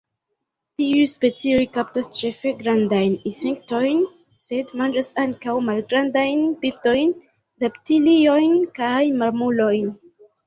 Tiuj specioj kaptas ĉefe grandajn insektojn, sed manĝas ankaŭ malgrandajn birdojn, reptiliojn kaj mamulojn.